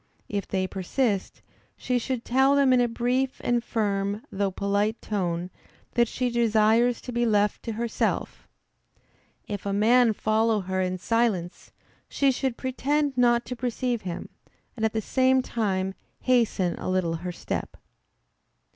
If they persist, she should tell them in a brief and firm, though polite tone, that she desires to be left to herself. If a man follow her in silence, she should pretend not to perceive him, and at the same time hasten a little her step.